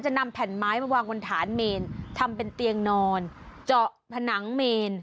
นำแผ่นไม้มาวางบนฐานเมนทำเป็นเตียงนอนเจาะผนังเมน